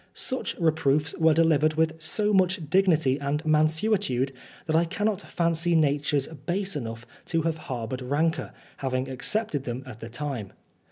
Such reproofs were delivered with so much dignity and mansuetude, that I cannot fancy natures base enough to have harboured rancour, having accepted them at the time.